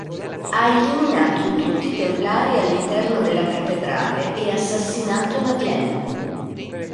Ha eliminato tutti i Templari all'interno della cattedrale e assassinato Madeleine.